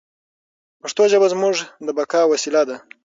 پښتو ژبه زموږ د بقا وسیله ده.